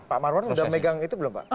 pak marwan sudah megang itu belum pak